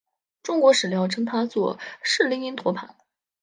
中国史料称他作释利因陀盘。